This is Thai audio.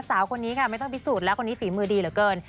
สาวคนนี้ค่ะไม่ต้องพิสูจน์แล้วคนนี้ฝีมือดีเหลือเกิน